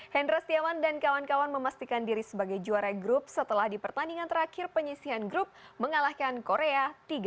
hendra setiawan dan kawan kawan memastikan diri sebagai juara grup setelah di pertandingan terakhir penyisihan grup mengalahkan korea tiga